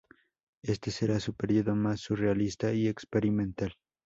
Éste será su período más surrealista y experimental.